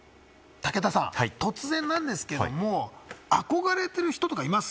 武田さん、突然なんですけども、憧れてる人とかいます？